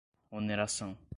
oneração